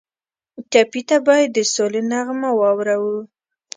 ټپي ته باید د سولې نغمه واورو.